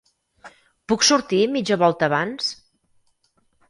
Puc sortir mitja volta abans?